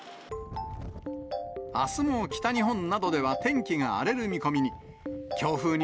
あすも北日本などでは天気が荒れる見込みに。